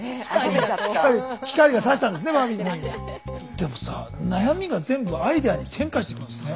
でもさ悩みが全部アイデアに転化してくんですね。